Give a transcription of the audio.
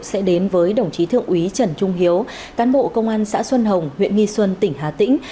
sẽ đến với đồng chí thượng úy trần trung hiếu cán bộ công an xã xuân hồng huyện nghi xuân tỉnh hà tĩnh